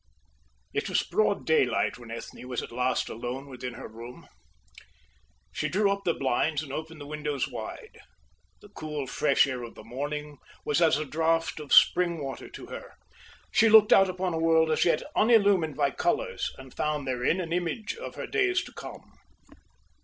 It was broad daylight when Ethne was at last alone within her room. She drew up the blinds and opened the windows wide. The cool fresh air of the morning was as a draught of spring water to her. She looked out upon a world as yet unillumined by colours and found therein an image of her days to come.